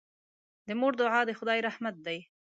د مور دعا د خدای رحمت دی.